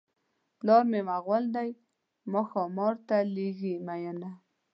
پلار مې مغل دی ما ښامار ته لېږي مینه.